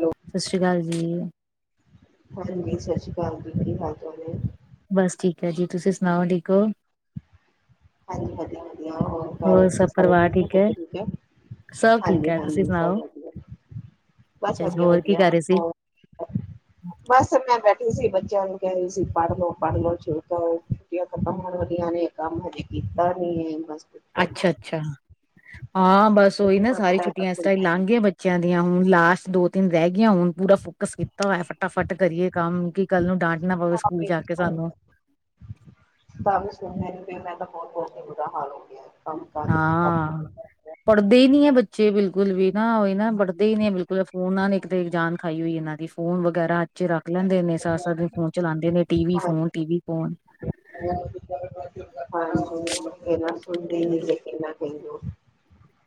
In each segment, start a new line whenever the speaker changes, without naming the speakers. Hello
ਸਤਿ ਸ਼੍ਰੀ ਅਕਾਲ ਜੀ
ਹਾਂਜੀ ਸਤਿ ਸ਼੍ਰੀ ਅਕਾਲ ਜੀ ਕੀ ਹਾਲ ਤੁਹਾਡੇ
ਬਸ ਠੀਕ ਹੈ ਜੀ ਤੁਸੀਂ ਸੁਣਾਓ ਠੀਕ ਹੋ
ਹਾਂਜੀ ਵਧੀਆ ਵਧੀਆ ਹੋਰ ਸੁਣਾਓ ਬੱਚੇ
ਸਭ
ਸਾਰੇ
ਪਰਿਵਾਰ
ਠੀਕ ਨੇ
ਹੈ?
ਪੋਤੇ ਠੀਕ ਹੈਂ
ਸਭ ਠੀਕ ਹੈ, ਤੁਸੀਂ
ਹਾਂਜੀ-ਹਾਂਜੀ
ਸੁਣਾਓ?
ਸਬ ਵਧੀਆ ਬਸ
ਅੱਛਾ, ਹੋਰ ਕੀ
ਵਧੀਆ-ਵਧੀਆ
ਕਰ ਰਹੇ ਸੀ?
ਹੋ ਬਸ ਮੈਂ ਬੈਠੀ ਸੀ ਬੱਚਿਆਂ ਨੂੰ ਕੈਹ ਸੀ ਪੜ ਲੋ ਪੜ੍ਹ ਲੋ ਠੀਕ ਹੋ ਛੋਟੀਆਂ ਖਤਮ ਹੋਣ ਵਾਲੀਆਂ ਨੇ ਕੰਮ ਹਜੇ ਕੀਤਾ ਨੀ ਬਸ ਪੁੱਛੋ ਨਾ।
ਅੱਛਾ-ਅੱਛਾ ਹਾਂ ਬਸ ਉਹੀ ਨਾ ਸਾਰੀ ਛੁੱਟੀਆਂ ਇਸ ਟਾਈਮ ਲਾਂਘ ਗੀ ਬੱਚਿਆਂ ਦੀਆਂ ਹੁਣ ਲਾਸਟ ਦੋ ਤਿੰਨ ਰਹਿ ਗਈਆਂ ਹੁਣ ਪੂਰਾ ਫੋਕਸ ਕੀਤਾ ਹੋਇਆ ਫਟਾਫਟ ਕਰੀਏ ਕੰਮ ਕਿ ਕੱਲ੍ਹ ਨੂੰ ਡਾਂਟ ਨਾ ਪਵੇ ਸਕੂਲ ਜਾ ਕੇ ਸਾਨੂੰ
[inaudible] ਕੰਮ
ਹਾਂ,
ਖਤਮ ਕਰ।
ਪੜ੍ਹਦੇ ਹੀ ਨੀ ਹੈ ਬੱਚੇ ਬਿਲਕੁਲ ਵੀ ਨਾ, ਉਹ ਹੀ ਨਾ। ਪੜਦੇ ਏ ਨੀ ਬਿਲਕੁਲ, ਫੋਨਾਂ ਨੇ ਇੱਕ ਤੇ ਜਾਨ ਖਾਈ ਹੋਈ ਇਹਨਾਂ ਦੀ ਫੋਨ ਵਗੈਰਾ- ਚ ਰੱਖ ਲੈਂਦੇ ਨੇ ਸਾਰਾ - ਸਾਰਾ ਦਿਨ ਫੋਨ ਚਲਾਉਂਦੇ ਨੇ ਟੀ ਵੀ ਫੋਨ
ਹਾਂਜੀ
ਟੀ ਵੀ ਫੋਨ।
[inaudible]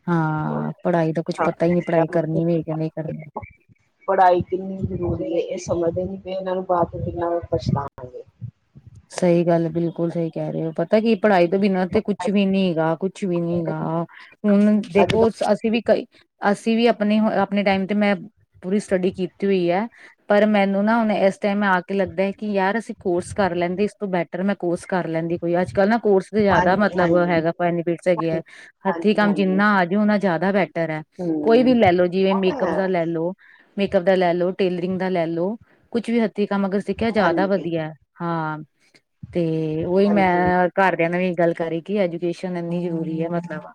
ਹਾਂ ਪੜ੍ਹਾਈ ਦਾ ਕੁਛ ਪਤਾ ਹੀ ਨਹੀਂ ਪੜ੍ਹਾਈ ਕਰਨੀ ਵੀ ਹੈ ਕੇ ਨਹੀਂ ਕਰਨੀ
ਪੜ੍ਹਾਈ ਕਿੰਨੀ ਜ਼ਰੂਰੀ ਹੈ ਇਹ ਸਮਝਦੇ ਨੀ ਪਏ ਇਹਨਾਂ ਨੂੰ ਬਾਅਦ ਕਿੰਨਾ ਪਛਤਾਵਾਂਗੇ
ਸਹੀ ਗੱਲ ਬਿਲਕੁਲ ਸਹੀ ਕਹਿ ਰਹੇ ਹੋ ਪਰ ਪਤਾ ਕਿ ਪੜ੍ਹਾਈ ਤੋਂ ਬਿਨਾਂ ਤੇ ਕੁਛ ਵੀ ਨੀ ਹੈਗਾ ਕੁਛ ਵੀ ਨੀ ਹੈਗਾ ਹੁਣ
ਅੱਜ
ਦੇਖੋ
ਕੱਲ
ਅਸੀਂ ਵੀ ਕਈ ਅਸੀਂ ਵੀ ਆਪਣੇ ਆਪਣੇ ਟਾਈਮ ਤੇ ਮੈਂ ਪੂਰੀ ਸਟੱਡੀ ਕੀਤੀ ਹੋਈ ਹੈ ਪਰ ਮੈਨੂੰ ਨਾ ਹੁਣ ਇਸ ਟਾਈਮ ਆ ਕੇ ਲੱਗਦਾ ਹੈ ਕਿ ਯਾਰ ਅਸੀਂ ਕੋਰਸ ਕਰ ਲੈਂਦੇ ਇਸ ਤੋਂ ਬੈਟਰ ਮੈਂ ਕੋਰਸ ਕਰ ਲੈਂਦੀ ਕੋਈ ਅੱਜ ਕੱਲ੍ਹ ਨਾ ਕੋਰਸ ਦੇ ਜ਼ਿਆਦਾ
ਹਾਂਜੀ
ਮਤਲਬ
ਹਾਂਜੀ
ਹੈਗਾ ਬੈਨੀਫਿਟਸ ਹੈਗੇ ਹੈ ਹੱਥੀਂ
ਹਾਂਜੀ
ਕੰਮ
ਹਾਂਜੀ
ਜਿੰਨਾ ਆਜੇ ਉਨਾ ਜ਼ਿਆਦਾ ਬੈਟਰ ਹੈ ਕੋਈ
ਹਮ
ਵੀ ਲੈ ਲੋ ਜਿਵੇਂ
ਉਹ ਤਾਂ
ਮੇਕਅਪ
ਹੈ
ਦਾ ਲੈ ਲੋ ਮੇਕਅਪ ਦਾ ਲੈ ਲੋ ਟੇਲਰਿੰਗ ਦਾ ਲੈ ਲਓ ਕੁਛ ਵੀ ਹੱਥੀਂ ਕੰਮ ਅਗਰ ਸਿੱਖਿਆ ਜ਼ਿਆਦਾ
ਹਾਂਜੀ
ਵਧੀਆ ਹਾਂ ਤੇ ਉਹੀ ਮੈਂ
ਹਾਂਜੀ
ਘਰਦਿਆਂ ਨੇ ਵੀ ਗੱਲ ਕਰੀ ਕਿ ਐਜੂਕੇਸ਼ਨ ਇੰਨੀ ਜ਼ਰੂਰੀ ਹੈ ਮਤਲਬ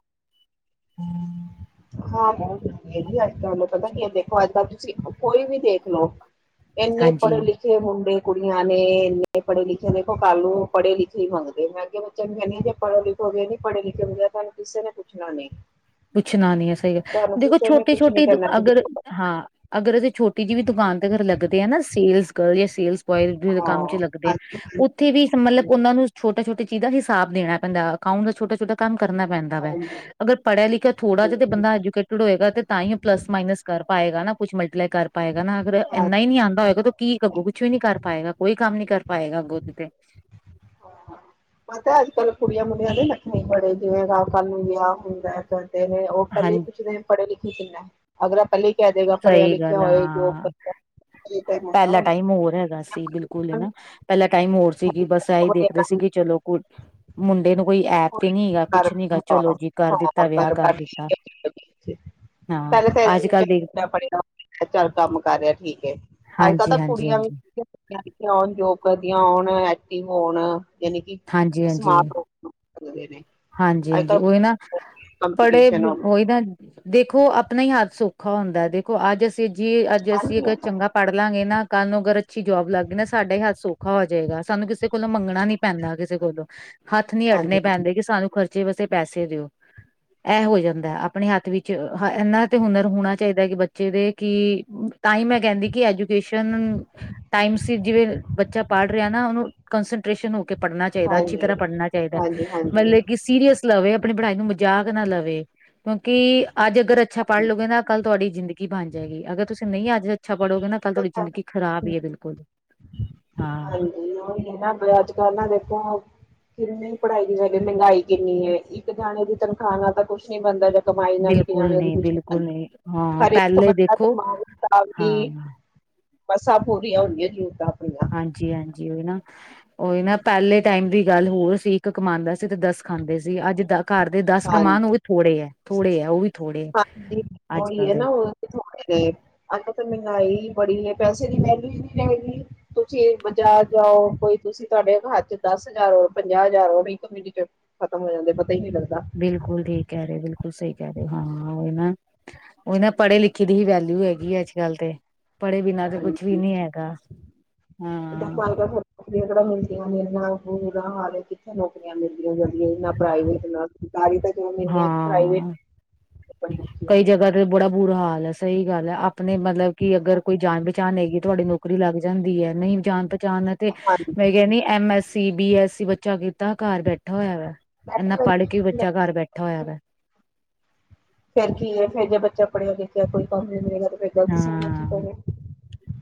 ਹਾਂ ਬਹੁਤੱ ਤੁਹਾਨੂੰ ਪਤਾ ਕੀ ਹੈ ਦੇਖੋ ਅੱਜ ਤੁਸੀਂ ਕੋਈ ਵੀ ਦੇਖ ਲਓ ਇਹਨੇ
ਹਾਂਜੀ
ਪੜੇ ਲਿਖ ਇੰਨੇ ਮੁੰਡੇ ਕੁੜੀਆਂ ਨੇ ਇੰਨੇ ਪੜ੍ਹੇ ਲਿਖੇ ਦੇਖੋ ਕੱਲ ਨੂੰ ਪੜ੍ਹੇ ਲਿਖੇ ਹੀ ਮੰਗਦੇ ਮੈਂ ਅੱਗੇ ਚੰਗੇ ਨੇ ਜੇ ਪੜੋ ਲਿਖੋ ਗ ਗਿਆ ਨੀ ਪੜੇ ਲਿਖੇ ਹੋ ਗਿਆਏ ਤੁਹਾਨੂੰ ਕਿਸੇ ਨੇ ਪੁੱਛਣਾ ਨਹੀਂ
ਪੁੱਛਣਾ ਨੀ ਹੈ ਸਹੀ
ਤੁਹਾਨੂੰ
ਗੱਲ ਦੇਖੋ
ਕਿਸੇ ਨੇ ਕੁਛ ਨੀ
ਛੋਟੀ-ਛੋਟੀ
ਕਰਨਾ
ਅਗਰ ਹਾਂ ਅਗਰ ਅਸੀ ਛੋਟੀ ਜਿਹੀ ਵੀ ਦੁਕਾਨ ਤੇ ਅਗਰ ਲੱਗਦੇ ਆ ਨਾ ਸੇਲਸ ਗਰਲ ਜਾਂ ਸੇਲਸ ਬੋਇਸ ਦੇ ਕੰਮ ਚ
ਹਾਂ
ਲੱਗਦੇ ਆ
ਹਾਂਜੀ
ਓ
ਹਾਂਜੀ
ਉੱਥੇ ਵੀ ਮਤਲਬ ਉਹਨਾ ਨੂੰ ਛੋਟਾ ਛੋਟੀ ਚੀਜ਼ ਦਾ ਹਿਸਾਬ ਦੇਣਾ ਪੈਂਦਾ ਅਕਾਊਟ ਦਾ ਛੋਟਾ-ਛੋਟਾ ਕੰਮ ਕਰਨਾ ਪੈਂਦਾ
ਹਾਂਜੀ
ਅਗਰ ਪੜ੍ਹਿਆ ਲਿਖਿਆ ਥੋੜਾ ਜਿਹਾ
ਹਮ
ਬੰਦਾ ਐਜੂਕੇਟ ਪੜਿਆ ਹੋਏਗਾ ਤੇ ਤਾਂ ਹੀ ਪਲੱਸ ਮਾਈਨਸ ਕਰ ਪਾਏਗਾ ਨਾ ਕੁਛ ਮਲਟੀਪਲਾਈ ਕਰ ਪਾਏਗਾ ਨਾ ਅਗਰ
ਹਾਂ
ਇੰਨਾ ਹੀ ਨਹੀਂ ਆਉਂਦਾ ਹੋਏਗਾ ਕੀ ਅੱਗੋਂ ਕੁੱਛ ਵੀ ਨੀ ਕਰ ਪਾਏਗਾ, ਕੋਈ ਕੰਮ ਨੀ ਕਰ ਪਾਏਗਾ ਅੱਗੋਂ ਤੇ
ਪਤਾ ਅੱਜ ਕੱਲ ਕੁੜੀਆਂ ਮੁੜੀਆਂ ਦੇ ਨੱਖਰੇ ਬੜੇ ਜਿਵੇਂ ਰਾਹ ਕਲ ਨੂੰ ਵਿਆਹ ਹੁੰਦਾ ਕਦੇ ਨੇ ਉਹ ਪਹਿਲੇ ਹੀ
ਹਾਂਜੀ
ਕੁੱਛਦੇ ਪੜੇ ਲਿਖੇ ਕਿੰਨਾ ਅਗਲਾ ਪਹਿਲਾਂ ਹੀ ਕਹਿ ਦੇਗਾ ਪੜਿਆ
ਸਹੀ
ਲਿਖਿਆ
ਗੱਲ ਆ,
ਹੋਇ ਜੋਬ
ਹਾਂ
ਕਰਦਾ।
ਪਹਿਲਾ ਟਾਈਮ ਹੋਰ ਹੈਗਾ ਸੀ ਬਿਲਕੁਲ ਕੁਲ ਨਾ ਪਹਿਲਾਂ ਟਾਈਮ ਹੋਰ ਸੀਗੀ ਬਸ ਐਹੀ ਦੇਖਦੇ ਸੀਗੇ ਚਲੋ ਕੋਲ ਮੁੰਡੇ ਨੂੰ ਕੋਈ ਐਬ ਤੇ ਨੀ ਹੈਗਾ,
ਪਹਿਲੇ
ਕੁਛ ਨੀ ਹੈਗਾ ਚਲੋ ਜੀ ਕਰ ਦਿੱਤਾ ਵਿਆਹ ਕਰ ਦਿੱਤਾ ਹਾਂ ਅੱਜ ਕੱਲ੍ਹ ਦੇ
ਅ ਚੱਲ ਕੰਮ ਕਰ ਰਿਹਾ ਠੀਕ ਏ ਅੱਜ ਕੱਲ
ਹਾਂਜੀ
ਤਾਂ
ਹਾਂਜੀ ਹਾਂਜੀ
ਕੁੜੀਆਂ ਵੀ ਆਉਣ ਜੋਬ ਕਰਦੀਆਂ ਹੋਉਣ ਐਕਟਿਵ ਹੋਣ ਯਾਨੀ ਕਿ
ਹਾਂਜੀ ਹਾਂਜੀ
ਸਮਾਰਟ ਹੋਣ। ਅ ਨੇ
ਹਾਂਜੀ, ਹਾਂਜੀ ਉਹੀ ਨਾ ਪੜ੍ਹੇ
ਕੰਪੀਟੀਸ਼ਨ ਹੋ ਗਈ।
ਉਹੀ ਨਾ ਦੇਖੋ ਆਪਣਾ ਹੀ ਹੱਥ ਸੌਖਾ ਹੁੰਦਾ, ਦੇਖੋ ਅੱਜ ਅਸੀਂ ਜੀ ਅੱਜ ਅਸੀਂ
ਹਾਂਜੀ
ਚੰਗਾ ਪੜ੍ਹ ਲਾਂਗੇ ਨਾ ਕੱਲ ਅੱਛੀ ਜੋਬ ਲੱਗ ਗਈ ਨਾ ਸਾਡਾ ਹੀ ਹਾਲ ਸੌਖਾ ਹੋ ਜੂਗਾ ਕਿਸੇ ਕੋਲ ਮੰਗਣਾ ਨਹੀਂ ਪੈਂਦਾ ਕਿਸੇ ਕੋਲੋਂ ਹੱਥ ਨੀ
ਹਾਂਜੀ
ਅੱਡਣੇ ਪੈਂਦੇ ਕਿ ਸਾਨੂੰ ਖਰਚੇ ਵਸੇ ਪੈਸੇ ਦਿਓ। ਇਹ ਹੋ ਜਾਂਦਾ ਆਪਣੇ ਹੱਥ ਵਿੱਚ ਇਹਨਾਂ ਤੇ ਹੁਨਰ ਹੋਣਾ ਚਾਹੀਦਾ ਕਿ ਬੱਚੇ ਦੇ ਕਿ- ਤਾਂ ਹੀ ਮੈਂ ਕਹਿੰਦੀ ਕਿ ਅੱਜ ਤੁਸਾਂ ਟਾਈਮ ਜਿਵੇਂ ਬੱਚਾ ਪੜ੍ਹ ਰਿਹਾ ਨਾ ਉਹਨੂੰ ਕੰਸਟਰੇਸ਼ਨ ਸਟੇਸ਼ਨ ਹੋ ਕੇ- ਪੜ੍ਹਨਾ ਚਾਹੀਦਾ ਅੱਛੀ
ਹਾਂਜੀ
ਤਰ੍ਹਾਂ ਪੜ੍ਹਨਾ ਚਾਹੀਦਾ।
ਹਾਂਜੀ ਹਾਂਜੀ
ਮਤਲਬ ਕਿ ਸੀਰੀਅਸ ਲਵੇ ਆਪਣੀ ਪੜ੍ਹਾਈ ਨੂੰ ਮਜ਼ਾਕ ਨਾ ਲਵੇ, ਕਿਉਂਕਿ ਅੱਜ - ਅਗਰ ਅੱਛਾ ਪੜ੍ਹ ਲੋਗੇ ਨਾ ਕੱਲ੍ਹ ਤੁਹਾਡੀ ਜ਼ਿੰਦਗੀ ਬਣ ਜਾਏਗੀ, ਅਗਰ ਤੁਸੀਂ ਨਹੀਂ ਅੱਜ ਅੱਛਾ ਪੜੋਗੇ ਨਾ ਕੱਲ ਤੁਹਾਡੀ
ਹਾਂਜੀ
ਜ਼ਿੰਦਗੀ ਖ਼ਰਾਬ ਹੀ ਹੈ ਬਿਲਕੁਲ ਹਾਂ।
ਮੋਲ ਇਨਾ ਪਿਆ ਹੈ ਅੱਜ ਕੱਲ ਨਾ ਦੇਖੋ- ਕਿੰਨੀ ਪੜ੍ਹਾਈ ਦੀ ਵ ਮਹਿੰਗਾਈ ਕਿੰਨੀ ਹੈਏ ਇੱਕ ਜਾਣੇ ਦੀ ਤਨਖਾਹ ਨਾਲ ਤਾਂ ਕੁਛ ਨੀ ਬਣਦਾ ਕਮਾਈ ਨਾਲ ਇਕ
ਬਿਲਕੁਲ
ਜਾਣੇ ਦੀ
ਨਹੀਂ
ਕੁਛ ਨੀ
ਬਿਲਕੁਲ ਨਹੀਂ
ਬਣਦਾ
ਹਾਂ
ਹਰ ਇੱਕ
ਪਹਿਲੇ
ਬੰਦਾ
ਦੇਖੋ
ਕਮਾਵੇ ਤਾ
ਹਾਂ
ਵੀ ਮਸਾਂ ਪੂਰੀਆਂ ਹੋਦੀਆਂ ਜ਼ਰੂਰਤਾਂ ਆਪਣੀਆਂ
ਹਾਂਜੀ-ਹਾਂਜੀ ਉਹ ਨਾ ਉਹੀ ਨਾ ਪਹਿਲੇ ਟਾਈਮ ਦੀ ਗੱਲ ਹੋਰ ਸੀ ਇੱਕ ਕਮਾਉਂਦਾ ਸੀ ਤੇ ਦੱਸ ਖਾਂਦੇ ਸੀ ਅੱਜ ਦਾ ਘਰ ਦੇ ਦਸ ਕਮਾਨ ਉਹ
ਹਾਂਜੀ
ਵੀ ਥੋੜੇ ਹੈ ਥੋੜੇ ਆ ਉਹ ਵੀ ਥੋੜੇ ਹੈ
ਹਾਂਜੀ,
ਅੱਜ
ਉਹੀ
ਕੱਲ
ਹੈ
ਦੇ
ਨਾ ਉਹ ਥੋੜੇ- ਅੱਜ ਕੱਲ੍ਹ ਮਹਿੰਗਾਈ ਬੜੀ ਹੈ ਪੈਸੇ ਦੀ ਵੈਲਿਊ ਹੀ ਨਹੀਂ ਰਹੇਗੀ। ਤੁਸੀਂ ਬਜ਼ਾਰ ਜਾਓ ਕੋਈ ਤੁਸੀਂ ਤੁਹਾਡੇ ਹੱਥ ਚ ਦੱਸ ਹਜ਼ਾਰ ਹੋਣ ਪੰਜਾਹ ਹਜ਼ਾਰ ਹੋਣ ਨਹੀਂ ਤਾਂ। ਇੰਨੀ ਜਲਦੀ ਖ਼ਤਮ ਹੋ ਜਾਂਦੇ ਪਤਾ ਹੀ ਨੀ ਲੱਗਦਾ।
ਬਿਲਕੁਲ ਠੀਕ ਕਹਿ ਰਹੇ ਬਿਲਕੁਲ ਸਹੀ ਕਹਿ ਰਹੇ ਹਾਂ ਉਹ ਨਾ। ਉਹ ਨਾ ਪੜ੍ਹੇ ਲਿਖੇ ਦੀ ਹੀ ਵੈਲਿਊ ਹੈਗੀ ਆ ਅੱਜ ਕੱਲ੍ਹ ਤੇ। ਪੜ੍ਹੇ ਬਿਨਾਂ ਤੇ
ਹਾਂਜੀ
ਕੁਛ ਵੀ ਨਹੀਂ ਹੈਗਾ ਹਾਂ।
ਸਰਕਾਰ ਕੋਲ ਨੌਕਰੀਆਂ ਕਿਹੜਾ ਮਿਲਦੀਆਂ ਨੇ, ਇਸ ਬੁਰਾ ਹਾਲ ਕਿੱਥੇ ਨੌਕਰੀਆਂ ਮਿਲਦੀਆਂ ਜਾਂਦੀਆਂ ਇਨਾ ਪ੍ਰਾਈਵੇਟ ਤਾਂ ਹੀ ਤਾਂ ਕਹਿ ਰਹੀ ਆਂ [unintelligible]
ਹਾਂ
[unintelligible]
ਕਈ ਜਗ੍ਹਾ
ਹੈ
ਤੇ ਬੜਾ ਬੁਰਾ ਹਾਲ ਹੈ ਸਹੀ ਗੱਲ ਹੈ ਆਪਣੇ ਮਤਲਬ ਕਿ ਅਗਰ ਕੋਈ ਜਾਣ ਪਹਿਚਾਣ ਹੈਗੀ ਤੁਹਾਡੀ ਨੌਕਰੀ- ਨੌਕਰੀ ਲੱਗ ਜਾਂਦੀ ਹੈਏ ਨਹੀਂ ਜਾਣ ਪਹਿਚਾਣ- ਤੇ
ਹਾਂਜੀ
ਮੈਂ ਕਹਿੰਦੀ M S C, B S C ਬੱਚਾ ਕੀਤਾ ਘਰ ਬੈਠਾ ਹੋਇਆ ਵਾ
ਬੈਠੇ
ਇਨਾ ਪੜ੍ਹ
ਬੈਠੇ
ਕੇ, ਬੱਚਾ ਘਰ ਬੈਠਾ ਹੋਇਆ ਵਾ।
ਫਿਰ ਕੀ ਏ ਫਿਰ ਜੇ ਬੱਚਾ ਪੜਿਆ ਲਿਖਿਆ ਕੋਈ ਕੰਮ ਨੀ ਮਿਲੇਗਾ ਤੇ ਫਿਰ ‌।
ਹਾਂ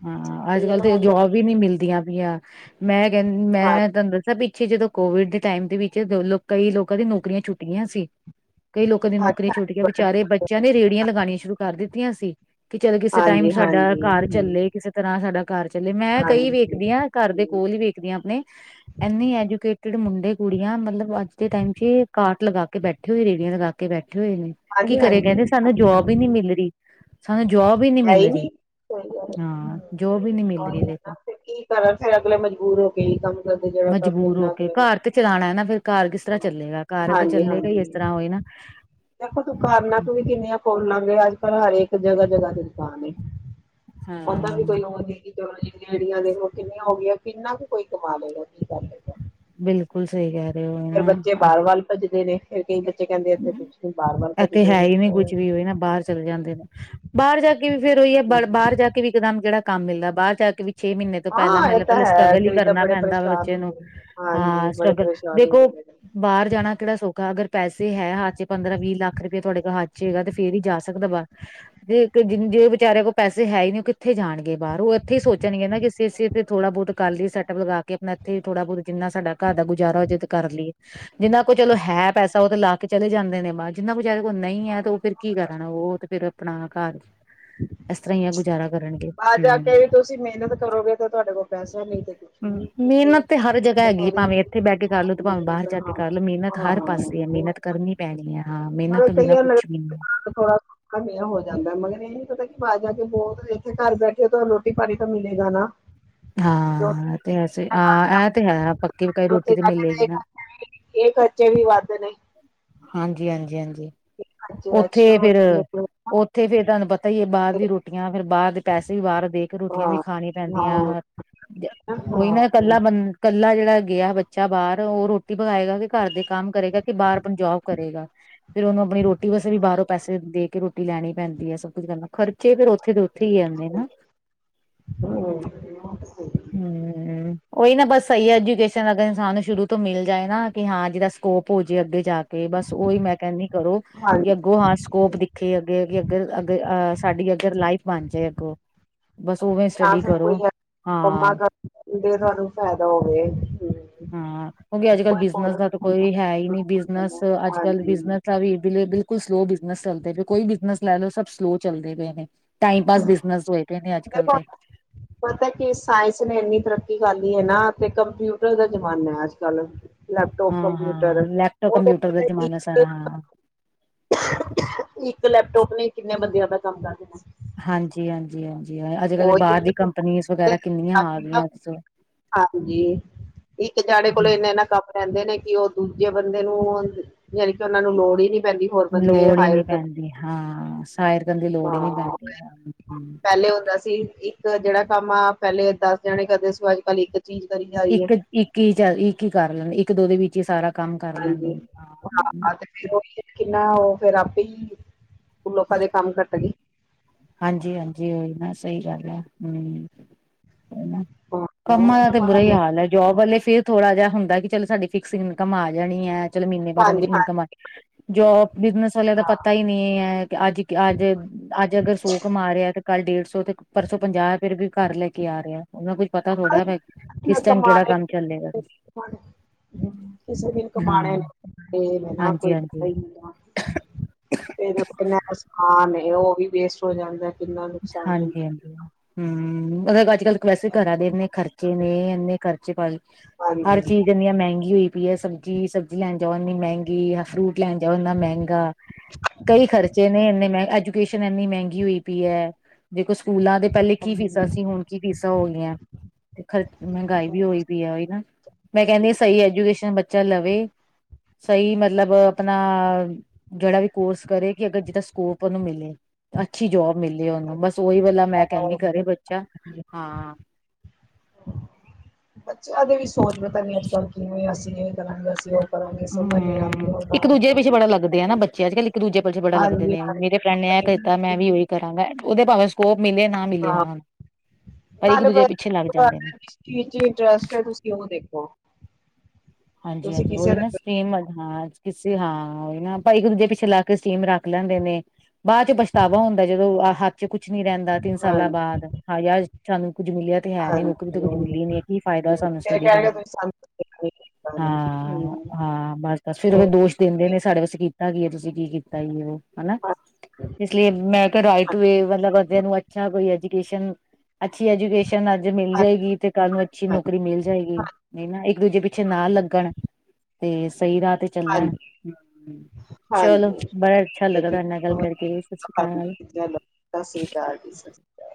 ਹਾਂ ਅੱਜ
ਇਹ
ਕੱਲ
ਨਾ
ਤੇ
ਹੁੰਦਾ
ਜੋਬ। ਵੀ ਨੀ ਮਿਲਦੀਆਂ ਪਈਆਂ। ਮੈਂ ਕਹਿੰਨੀ
ਹਾਂ
ਮੈਂ ਤੁਹਾਨੂੰ ਦੱਸਿਆ ਵੀ। ਪਿੱਛੇ ਜਦੋਂ ਕੋਵਿਡ ਦੇ ਟਾਈਮ ਦੇ ਵਿੱਚ ਕਈ ਲੋਕਾਂ ਦੀ ਨੌਕਰੀਆਂ ਛੁੱਟ ਗਈਆਂ ਸੀ। ਕਈ ਲੋਕਾਂ ਦੀ ਨੌਕਰੀਆਂ ਛੁਟੀਆਂ ਵਿਚਾਰੇ ਬੱਚਿਆਂ ਨੇ
ਹਾਂਜੀ
ਰੇਹੜੀਆਂ ਲਗਾਉਣੀਆਂ ਸ਼ੁਰੂ ਕਰ ਦਿੱਤੀਆਂ ਸੀ। ਕਿ ਚੱਲ, ਕਿਸੇ ਟਾਈਮ ਸਾਡਾ
ਹਾਂਜੀ ਹਾਂਜੀ
ਘਰ ਚੱਲੇ ਕਿਸੇ ਤਰ ਸਾਡਾ ਘਰ ਚੱਲੇ ਮੈਂ ਕਈ
ਹਾਂਜੀ ਹਾਂਜੀ
ਵੇਖਦੀ ਹਾਂ। ਘਰ ਦੇ
ਹਾਂਜੀ
ਕੋਲ ਹੀ ਵੇਖਦੀ ਆਂ ਆਪਣੇ। ਇੰਨੀ ਐਜੂਕੇਟਡ ਮੁੰਡੇ ਕੁੜੀਆਂ ਮਤਲਬ ਅੱਜ ਦੇ ਟਾਈਮ ਚ ਕਾਰਟ ਲਗਾ ਕੇ ਬੈਠੇ। ਬੈਠੇ ਹੋਏ ਰੇਹੜੀਆਂ ਲਗਾ ਕੇ ਬੈਠੇ ਹੋਏ ਨੇ ਕੀ ਕਰੇ
ਹਾਂਜੀ
ਕਹਿੰਦੇ ਸਾਨੂੰ
ਹਾਂਜੀ
ਜੋਬ ਹੀ
ਹਾਂਜੀ
ਨਹੀਂ ਮਿਲ ਰਹੀ। ਸਾਨੂੰ ਜੋਬ ਹੀ ਨਹੀਂ
ਹੈ
ਮਿਲ ਰਹੀ
ਨੀ ਸਹੀ ਗੱਲ ਹੈ।
ਹਾਂ, ਜੋਬ ਹੀ ਨਹੀਂ ਮਿਲ
ਉਹੀ
ਰਹੀ
ਹੈ ਨਾ
ਵੇਖੋ।
ਫਿਰ ਕੀ ਕਰਨ ਫਿਰ ਅਗਲੇ ਮਜਬੂਰ ਹੋ ਕੇ ਹੀ ਕੰਮ ਕਰਦੇ ਜਿਹੜਾ ਕੰਮ
ਮਜਬੂਰ
ਮਿਲਣਾ
ਹੋ ਕੇ
ਅਗਲੇ ਨੂੰ
ਘਰ ਤੇ ਚਲਾਉਣਾ ਹੈ ਨਾ ਫਿਰ ਘਰ ਕਿਸ ਤਰ੍ਹਾਂ ਚੱਲੇਗਾ। ਘਰ
ਹਾਂਜੀ
ਚੱਲੇਗਾ ਹੀ
ਹਾਂਜੀ
ਇਸ ਤਰ੍ਹਾਂ ਉਹੀ ਨਾ।
ਦੇਖੋ ਦੁਕਾਨਾਂ ਤੁਸੀ ਕਿੰਨੀਆਂ ਖੋਲ ਲਵਾਂਗੇ ਅੱਜ ਕੱਲ ਹਰ ਇਕ ਜਗ੍ਹਾ ਜਗ੍ਹਾ ਤੇ ਦੁਕਾਨ ਏ। ਆਉਂਦਾ ਵੀ
ਹਾਂ
ਕੋਈ ਹੋਰ ਨਹੀਂ। ਚੀਜ਼ਾਂ ਜਿਹੜੀਆਂ [inaudible] ਦੇਖੋ ਕਿੰਨੀਆਂ ਹੋ ਗਈਆਂ ਕਿੰਨਾ ਕੁ ਕੋਈ ਕਮਾ ਲਏਗਾ ਕੀ ਕਰ
ਬਿਲਕੁਲ। ਬਿਲਕੁਲ, ਸਹੀ ਕਿਹਾ ਰਹੇ ਹੋ।
ਫੇਰ ਬੱਚੇ
ਨਾ
ਬਾਹਰ ਵੱਲ ਭੱਜਦੇ ਨੇ। ਫੇਰ ਕਈ ਬੱਚੇ ਕਹਿੰਦੇ ਇੱਥੇ ਕੁਛ ਨਹੀਂ ਬਾਹਰ ਵੱਲ
ਇੱਥੇ
ਭੱਜਦੇ
ਹੈ
ਨੇ
ਹੀ ਨੀ
ਹੋਰ।
ਕੁੱਝ ਵੀ ਹੋਏ ਨਾ ਬਾਹਰ ਚਲੇ ਜਾਂਦੇ ਨੇ ਬਾਹਰ ਜਾ ਕੇ ਵੀ ਫੇਰ ਉਹੀ ਹੈ ਬ ਬਾਹਰ ਜਾ ਕੇ ਵੀ ਇੱਕਦਮ ਕਿਹੜਾ ਕੰਮ ਮਿਲਦਾ ਹੈ। ਬਾਹਰ ਜਾ ਕੇ ਵੀ ਛੇ ਮਹੀਨੇ। ਤੋਂ ਪਹਿਲਾਂ
ਹਾਂ ਇਹ
ਮਤਲਬ
ਤਾਂ
ਪਹਿਲਾਂ
ਹੈ
ਸਟਰਗਲ ਹੀ
ਕਈ ਤਾਂ
ਕਰਨਾ
ਬੜੇ
ਪੈਂਦਾ
ਪਰੇਸ਼ਾਨ
ਬੱਚੇ ਨੂੰ
ਹੁੰਦੇ ਨੇ ਹਾਂਜੀ
ਹਾਂ
ਬੜੇ
ਸਟਰਗਲ
ਪਰੇਸ਼ਾਨ
ਦੇਖੋ।
ਹੁੰਦੇ ਪਏ ਨੇ
ਬਾਹਰ ਜਾਣਾ ਕਿਹੜਾ ਸੌਖਾ ਅਗਰ ਪੈਸੇ। ਜੇ ਹੈ ਹੱਥ 'ਚ ਪੰਦਰਾਂ ਵੀਹ ਲੱਖ ਰੁਪਇਆ ਤੁਹਾਡੇ ਕੋਲ ਹੱਥ 'ਚ ਹੈਗਾ ਤੇ ਫੇਰ ਹੀ ਜਾ ਸਕਦਾ ਬਾਹਰ। ਤੇ ਇੱਕ ਜਿਦੇ ਜਿਹੜੇ ਵਿਚਾਰੇ ਕੋਲ ਪੈਸੇ ਹੈ ਹੀ ਨਹੀਂ ਉਹ ਕਿੱਥੇ ਜਾਣਗੇ ਬਾਹਰ ਉਹ ਇੱਥੇ ਹੀ ਸੋਚਣਗੇ ਨਾ ਕਿ ਅਸੀਂ। ਤੇ ਥੋੜਾ ਬਹੁਤ ਕਰ ਲਈਏ ਸੈੱਟੱਪ ਲਗਾ ਕੇ ਆਪਣਾ ਇੱਥੇ ਥੋੜਾ ਬਹੁਤ ਜਿੰਨਾ ਸਾਡਾ ਘਰ ਦਾ ਗੁਜ਼ਾਰਾ ਹੋ ਜਾਏ ਤਾਂ ਕਰ ਲਈਏ। ਜਿੰਨਾ ਕੋਲ਼ ਚਲੋ ਹੈ ਪੈਸਾ ਉਹ ਤੇ ਲਾ। ਕੇ ਚਲੇ ਜਾਂਦੇ ਨੇ ਬਾਹਰ ਜਿੰਨਾ ਵਿਚਾਰੇ ਕੋਲ ਨਹੀਂ ਹੈ ਤੇ ਉਹ ਫਿਰ ਕੀ ਕਰਨਾ ਉਹ ਤੇ ਫੇਰ ਆਪਣਾ ਘਰ। ਇਸ ਤਰ੍ਹਾਂ ਹੀ ਆ ਗੁਜ਼ਾਰਾ ਕਰਨਗੇ
ਬਾਹਰ ਜਾ ਕੇ ਵੀ
ਹਮ
ਤੁਸੀਂ ਮਿਹਨਤ ਕਰੋਗੇ ਤੇ ਤੁਹਾਡੇ ਕੋਲ ਪੈਸਾ ਨਹੀਂ ਤੇ। ਨੀ
ਹੂੰ
ਉੱਥੇ ਵੀ
ਮਿਹਨਤ ਤੇ ਹਰ
ਜਾਣ
ਜਗ੍ਹਾ
ਦਾ
ਹੈਗੀ।
ਫਾਇਦਾ ਹੀ
ਭਾਵੇਂ ਇੱਥੇ ਬਹਿ ਕੇ ਕਰ ਲੋ ਤੇ
ਨੀ
ਭਾਵੇ
ਮਿਹਨਤ
ਬਾਹਰ ਜਾ ਕੇ
ਹਾਂ
ਕਰਲੋ ਮਿਹਨਤ
ਹਾਂ
ਹਰ ਪਾਸੇ ਆ
ਉਹ
ਮਿਹਨਤ। ਕਰਨੀ ਪੈਣੀ ਹੈ ਹਾਂ ਮਿਹਨਤ
ਮਗਰ
ਤੋਂ ਬਿਨਾਂ
ਕਈਆਂ ਨੂੰ
ਕੁਝ ਵੀ ਨਹੀਂ।
ਲੱਗਦਾ ਥੋੜਾ। ਕਮਾਈਆਂ ਹੋ ਜਾਂਦਾ ਮਗਰ ਇਹ ਨੀ ਪਤਾ ਕਿ ਬਾਾਹਰ ਜਾ ਕੇ ਬਹੁਤ ਇੱਥੇ ਘਰ ਬੈਠੇ ਤੁਹਾਨੂੰ ਰੋਟੀ ਪਾਣੀ ਤਾਂ ਮਿਲੇਗਾ ਨਾ।
ਹਾਂ ਤੇ ਹਾਂ ਇਹ ਤੇ ਸਹੀ ਹੈ ਪੱਕੀ ਪਕਾਈ ਰੋਟੀ
ਉੱਥੇ
ਤੇ
ਜਾ
ਮਿਲੇਗੀ
ਕੇ
ਨਾ
ਇਹ ਖਰਚੇ ਵੀ ਵੱਧ ਨੇ।
ਹਾਂਜੀ ਹਾਂਜੀ ਹਾਂਜੀ।
ਜੇ ਐਕਸਟਰਾ
ਉੱਥੇ
ਹੋਏ
ਫਿਰ
ਬੰਦੇ ਕੋਲ।
ਉੱਥੇ ਫੇਰ ਤੁਹਾਨੂੰ ਪਤਾ ਹੀ ਹੈ ਬਾਹਰ ਦੀ ਰੋਟੀਆਂ ਫੇਰ ਬਾਹਰ ਦੇ ਪੈਸੇ ਵੀ ਬਾਹਰ ਦੇ ਕੇ ਰੋਟੀਆਂ ਵੀ ਖਾਣੀਆਂ ਪੈਂਦੀਆਂ ਹੈ।
ਹੈ ਹਾਂ।
ਕੋਈ ਨਾ ਇਹ ਕੱਲਾ ਬੰਦਾ ਕੱਲਾ ਜਿਹੜਾ ਗਿਆ ਬੱਚਾ ਬਾਹਰ ਉਹ ਰੋਟੀ ਪਕਾਏਗਾ ਕਿ ਘਰ ਦੇ ਕੰਮ ਕਰੇਗਾ। ਤੇ ਬਾਹਰ ਆਪਣੀ ਜੋਬ ਕਰੇਗਾ ਫੇਰ ਉਹਨੂੰ ਆਪਣੀ ਰੋਟੀ। ਰੋਟੀ ਵੈਸੇ ਵੀ ਬਾਹਰੋਂ ਪੈਸੇ ਦੇ ਕੇ ਰੋਟੀ ਲੈਣੀ ਪੈਂਦੀ ਹੈ। ਸਭ ਕੁੱਝ ਕਰਨਾ ਖਰਚੇ ਫੇਰ ਉੱਥੇ ਦੇ ਉੱਥੇ ਹੀ ਆਉਂਦੇ ਨਾ।
ਹੂੰ।
ਹੂੰ। ਉਹੀ ਨਾ ਬਸ ਸਹੀ ਐਜੂਕੇਸ਼ਨ ਅਗਰ ਇਨਸਾਨ ਨੂੰ ਸ਼ੁਰੂ ਤੋਂ ਮਿਲ ਜਾਏ ਨਾ ਕਿ ਹਾਂ ਜਿਹਦਾ ਸਕੋਪ ਹੋ ਜੇ ਅੱਗੇ ਜਾ ਕੇ। ਕਿ ਬਸ ਉਹੀ ਮੈ ਕਹਿੰਦੀ ਹਾਂ ਕਰੋ
ਹਾਂ
ਵੀ ਅੱਗੋਂ ਆਸ। ਸਕੋਪ ਦਿਖੇ ਅੱਗੇ ਅੱਗਰ ਅੱਗੇ ਅਹ ਸਾਡੀ ਅਗਰ ਲਾਈਫ ਬਣ ਜਾਏ ਅੱਗੋਂ। ਬਸ ਉਵੇਂ ਸਟੱਡੀ ਕਰੋ।
ਕੰਮਾ
ਹਾਂ
ਦਾ ਅੱਗੇ ਤੁਹਾਨੂੰ ਫਾਇਦਾ ਹੋਵੇ ਹੂੰ।
ਹਾਂ ਕਿਉਂਕਿ ਅੱਜ ਕੱਲ੍ਹ
ਕੋਈ
ਬਿਜਨਸ
ਕੋਰਸ
ਦਾ ਤਾਂ ਕੋਈ ਹੈ ਹੀ ਨੀ ਬਿਜਨਸ ਅੱਜ ਕੱਲ੍ਹ
ਹਾਂਜੀ
ਬਿਜਨਸ। ਬਿਜ਼ਨਸ ਦਾ ਵੀ ਬਿਲਕੁਲ ਸਲੋਅ ਬਿਜਨਸ ਚੱਲਦੇ ਪਏ ਕੋਈ ਬਿਜਨਸ ਲੈ ਲਓ ਸਭ ਸਲੋਅ ਚੱਲਦੇ ਪਏ ਨੇ। ਟਾਈਮ ਪਾਸ ਬਿਜ਼ਨਸ ਹੋਏ ਪਏ ਨੇ ਅੱਜ ਕੱਲ੍ਹ ਦੇ।
ਹੂੰ। [inaudible] ਪਤਾ ਕਿ ਆ ਸਾਇੰਸ ਨੇ ਇੰਨੀ ਤਰੱਕੀ ਕਰ ਲਈ ਹੈ ਨਾ ਤੇ ਕੰਪਿਊਟਰ ਦਾ ਜ਼ਮਾਨਾ ਅੱਜ ਕੱਲ। ਲੈਪਟੋਪ,
ਹਾਂ
ਕੰਪਿਊਟਰ ਉਹ ਤੇ ਪਤਾ ਕੀ।
ਤਰ੍ਹਾਂ।
ਇੱਕ ਲੈਪਟੋਪ ਨੇ ਕਿੰਨੇ ਬੰਦਿਆਂ ਦਾ ਕੰਮ ਕਰ ਦੇਣਾ।
ਹਾਂਜੀ ਹਾਂਜੀ ਹਾਂਜੀ ਅੱਜ ਕੱਲ
ਉਹੀ
ਬਾਹਰ
ਹੈ
ਦੀਆਂ ਕੰਪਨੀ ਵਗੈਰਾ ਕਿੰਨੀਆਂ ਆ
ਨਾ,
ਗਈਆਂ ਅੱਜ।
ਹਾਂਜੀ ਇੱਕ ਜਾਣੇ ਕੋਲ ਇੰਨਾ ਇੰਨਾ ਕੰਮ। ਕਹਿੰਦੇ ਨੇ ਕਿ ਉਹ ਦੂਜੇ ਬੰਦੇ ਨੂੰ ਯਾਨੀ ਕਿ ਉਹਨਾਂ ਨੂੰ ਲੋੜ ਹੀ ਨਹੀਂ। ਪੈਂਦੀ ਹੋਰ ਬੰਦੇ
ਲੋੜ ਹੀ
ਹਾਇਰ
ਨੀ
ਕਰਨ
ਪੈਂਦੀ ਹਾਂ ਸਾਇਰ ਕਰਨ ਦੀ ਲੋੜ ਹੀ ਨੀ
ਹਾਂ
ਪੈਂਦੀ।
ਪਹਿਲੇ ਹੁੰਦਾ ਸੀ। ਤੇ ਇੱਕ ਜਿਹੜਾ ਕੰਮ ਆ ਪਹਿਲੇ ਦਸ ਜਾਣੇ ਕਰਦੇ ਸੀ। ਅੱਜ ਕੱਲ ਇੱਕ ਚੀਜ਼ ਕਰੀ ਜਾ ਰਹੀ ਹੈ।
ਇੱਕ, ਇੱਕ ਹੀ ਚੱਲਦੀ ਹੈ। ਇੱਕ ਹੀ ਕਰ ਲੈਣ ਇੱਕ ਦੋ ਦੇ ਵਿੱਚ ਹੀ ਸਾਰਾ ਕੰਮ ਕਰ ਲੈਂਦੇ
ਹਾਂਜੀ
ਹਾਂ।
ਹਾਂ ਤੇ ਫਿਰ ਉਹ ਵੀ ਕਿੰਨਾ ਉਹ ਫੇਰ ਆਪੇ ਲੋਕਾਂ ਦੇ ਕੰਮ ਘੱਟ ਗਏ।
ਹਾਂਜੀ ਹਾਂਜੀ ਹਾਂਜੀ ਨਾ ਸਹੀ ਗੱਲ ਹੈ ਹੂੰ ਹਨਾ। ਕੰਮਾਂ ਦਾ ਤਾਂ
ਹਾਂ,
ਬੁਰਾ ਹੀ
ਹਾਂਜੀ
ਹਾਲ ਹੈ। ਜੋਬ ਵਾਲੇ ਫੇਰ ਥੋੜਾ ਜਿਹਾ ਹੁੰਦਾ ਕਿ ਚੱਲ ਸਾਡੀ ਫਿਕਸ ਇਨਕਮ ਆ ਜਾਣੀ ਹੈ। ਚਲ ਮਹੀਨੇ ਬਾਅਦ
ਹਾਂਜੀ
ਇਨਕਮ ਜੋਬ ਬਿਜਨਸ ਵਾਲਿਆਂ ਦਾ ਪਤਾ ਹੀ ਨਹੀਂ ਹੈ ਅੱਜ ਅੱਜ ਅੱਜ ਅਗਰ ਸੋ ਘਮਾ ਰਿਹਾ ਤੇ ਕੱਲ੍ਹ ਡੇਢ ਸੌ ਤੇ ਪਰਸੋ ਪੰਜਾਹ ਫਿਰ ਵੀ ਘਰ ਲੈ ਕੇ ਆ ਰਿਹਾ ਉਹਨੂੰ ਕੁਝ ਪਤਾ ਥੋੜ੍ਹਾ ਕਿਸ
ਹਾਂ
ਟਾਈਮ ਕਿਹੜਾ
ਕਮਾਣੇ
ਕੰਮ ਚੱਲੇਗਾ
ਕਿਸੇ ਦਿਨ
ਹਾਂ
ਕਮਾਣੇ
ਹਾਂਜੀ
ਕੋਈ
ਹਾਂਜੀ
ਤੇਰੇ ਕੋਲ ਕੀਨਾ ਹੈਸਾਨ ਓੁਹ ਵੀ ਵੇਸਟ ਹੋ ਜਾਂਦਾ ਏ
ਹਾਂਜੀ- ਹਾਂਜੀ ਹਮ ਮਤਲਬ ਅੱਜ ਕੱਲ੍ਹ ਵੇਸੇ ਘਰਾਂ ਦੇ ਇੰਨੇ ਖਰਚੇ ਨੇ ਇੰਨੇ ਖਰਚੇ ਪਾ ਹਰ
ਹਾਂਜੀ
ਚੀਜ਼ ਇੰਨੀਆਂ ਮਹਿੰਗੀ ਹੋਈ ਪਈ ਹੈ ਸਬਜ਼ੀ- ਸਬਜ਼ੀ ਲੈਣ ਜਾਓ ਇੰਨੀ ਮਹਿੰਗੀ ਫਰੂਟ ਲੈਣ ਜਾਓ ਇੰਨਾ ਮਹਿੰਗਾ ਕਈ ਖਰਚੇ ਨੇ ਇੰਨੇ ਮਹਿੰਗੇ ਅੱਜ ਐਜੁਕੇਸ਼ਨ ਇਨੀ ਮਹਿੰਗੀ ਹੋਈ ਪਈ ਏ ਦੇਖੋ ਸਕੂਲਾਂ ਦੇ ਪਹਿਲੇ ਕੀ ਫੀਸਾਂ ਸੀ
ਬੱਚਿਆਂ
ਹੁਣ ਕੀ ਫੀਸਾਂ ਹੋ ਗਈਆਂ ਮਹਿੰਗਾਈ ਵੀ ਹੋਈ ਪਈ ਹੈ ਨਾ ਮੈਂ ਕਹਿੰਦੀ ਸਹੀ ਐਜੂਕੇਸ਼ਨ ਬੱਚਾ ਲਵੇ ਸਹੀ ਮਤਲਬ ਆਪਣਾ ਜਿਹੜਾ ਵੀ ਕੋਰਸ ਕਰੇ ਕਿ ਅਗਰ ਜਿੱਦਾਂ ਸਕੋਪ ਉਹਨੂੰ ਮਿਲੇ ਅੱਛੀ ਜੋਬ ਮਿਲੇ। ਦੇ ਉਹਨੂੰ ਬਸ ਉਹੀ ਗੱਲਾ ਮੈਂ ਕਹਿੰਦੀ ਘਰੇ ਬੱਚਾ ਹਾਂ।
ਹਾਂ ਬੱਚਿਆਂ ਦੇ ਵੀ ਸੋਚ ਪਤਾ ਨਹੀਂ ਅੱਜ ਕੱਲ੍ਹ ਕਿਵੇਂ ਅਸੀਂ ਇਹ ਕਰਾਂਗੇ ਅਸੀਂ ਉਹ। ਇਹ ਸਮਝ ਨਹੀਂ ਆਉਂਦੀ।
ਹੂੰ
ਹੁਣ ਤਾਂ
ਇੱਕ ਦੂਜੇ ਦੇ
ਇਹਨਾਂ
ਪਿੱਛੇ
ਨੂੰ।
ਬੜਾ ਲੱਗਦੇ ਆ ਨਾ ਬੱਚੇ ਅੱਜ ਕੱਲ ਇੱਕ ਦੂਜੇ ਪਿੱਛ ਬੜਾ ਲੱਗਦੇ
ਹਾਂਜੀ
ਨੇ ਮੇਰੇ ਫਰਡ ਨੇ ਇਹ ਕੀਤਾ ਮੈਂ ਵੀ ਉਹੀ
ਹਾਂਜੀ
ਕਰਨਾ। ਕਰਾਂਗਾ ਉਹਦੇ ਭਾਵੇਂ ਸਕੋਪ ਮਿਲੇ ਨਾ ਮਿਲੇ
ਹਾਂ
ਉਹਨਾਂ ਨੂੰ ਪਰ ਇੱਕ ਦੂਜੇ ਪਿੱਛੇ ਲੱਗ ਜਾਂਦੇ ਨੇ।
ਕੀ ਚ ਇੰਟਰਸਟ ਹੈ ਤੁਸੀਂ ਉਹਨੁੰ ਦੇਖੋ!
ਹਾਂਜੀ-
ਤੁਸੀਂ
ਹਾਂਜੀ
ਕਿਸੇ
ਉਹੀ
ਦਾ
ਨਾ ਸਟੀਮ ਹਾਂ ਕਿਸੇ ਹਾਂ ਨਾ, ਆਪਾਂ ਇੱਕ ਦੂਜੇ ਪਿੱਛੇ ਲਾ ਕੇ ਸਟੀਮ ਰੱਖ ਲੈਂਦੇ ਨੇ ਬਾਅਦ ਚ ਪਛਤਾਵਾ ਹੁੰਦਾ, ਜਦੋਂ ਆਹ ਹੱਥ ਚ ਕੁੱਛ ਨੀ ਰਹਿੰਦਾ ਤਿੰਨ ਸਾਲਾਂ
ਹਾਂਜੀ
ਬਾਅਦ ਹਾਂ ਯਾਰ, ਸਾਨੂੰ ਕੁਝ ਮਿਲਿਆ ਤੇ ਹੈ ਨੀ ਨੌਕਰੀ ਤੇ ਕੁੱਛ
ਹਾਂਜੀ
ਮਿਲੀ ਨੀ ਕੀ ਫਾਇਦਾ ਸਾਨੂੰ ਸਟੱਡੀ ਕਰਨ ਦਾ
ਅ
ਹਾਂ ਹਾਂ ਬਸ ਬਸ ਫੇਰ ਉਹਦੇ
ਉਹ
ਦੋਸ਼ ਦਿੰਦੇ
ਹਾਂਜੀ
ਨੇ ਸਾਡੇ ਵਸ ਕੀਤਾ ਕੀ ਹੈ ਤੁਸੀਂ ਕੀ ਕੀਤਾ ਉਹ ਹਨਾ ਇਸ ਲਈ ਮੈਂ ਰਾਈਟ ਵੇ ਵਾਲਾ ਮਤਲਬਦ ਅੱਛਾ ਕੋਈ ਐਜੂਕੇਸ਼ਨ ਅੱਛੀ ਐਜੂਕੇਸ਼ਨ ਅੱਜ ਮਿਲ
ਹਾਂਜੀ
ਜਾਏਗੀ ਤੇ ਕੱਲ੍ਹ ਨੂੰ ਅੱਛੀ ਨੌਕਰੀ ਮਿਲ ਜਾਏਗੀ ਨਹੀਂ ਨਾ ਇੱਕ ਦੂਜੇ ਪਿੱਛੇ ਨਾ ਲੱਗਣ ਤੇ ਸਹੀ ਰਾਹ ਤੇ ਚੱਲਣ
ਹਾਂਜੀ
ਚਲੋ
ਹਾਂਜੀ
ਬੜਾ ਅੱਛਾ
ਠੀਕ
ਲੱਗਾ
ਹੈ ਜੀ,
ਤੁਹਾਡੇ ਨਾਲ
ਸਤਿ
ਗੱਲ ਕਰਕੇ ਸ੍ਤ ਸ੍ਰੀ ਅਕਾਲ
ਜੀ, ਸਤਿ ਸ੍ਰੀ ਅਕਾਲ।